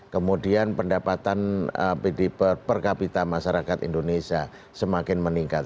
kemudian pendapatan per kapita masyarakat indonesia semakin meningkat